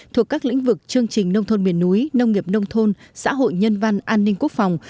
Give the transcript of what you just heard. thuộc các lĩnh vực chương trình nông thôn miền núi nông nghiệp nông thôn xã hội nhân văn an ninh quốc phòng